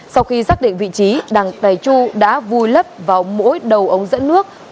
sau khi xác định vị trí đặng tài chu đã vui lấp vào mỗi đầu ống dẫn nước